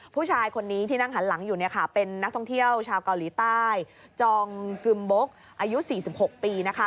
ผู้ชายคนนี้ที่นั่งหันหลังอยู่เป็นนักท่องเที่ยวชาวเกาหลีใต้จองกึมบกอายุ๔๖ปี